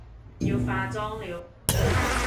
要化妝了